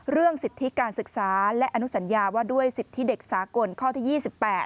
เรื่องสิทธิการศึกษาและอนุสัญญาว่าด้วยสิทธิเด็กสากลข้อที่๒๘